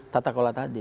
tata kola tadi